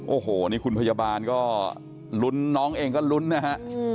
โอ้โหนี่คุณพยาบาลก็ลุ้นน้องเองก็ลุ้นนะฮะ